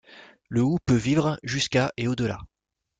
Le houx peut vivre jusqu'à et au-delà.